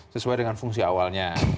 sesuai dengan fungsi awalnya